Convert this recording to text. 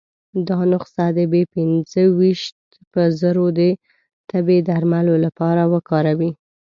دا نسخه د بي پنځه ویشت په زور د تبې درملو لپاره وکاروي.